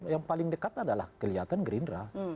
yang paling dekat adalah kelihatan gerindra